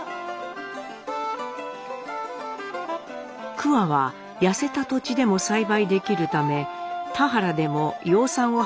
桑は痩せた土地でも栽培できるため田原でも養蚕を始める農家が続出。